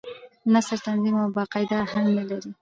نثر منظم او با قاعده اهنګ نه لري.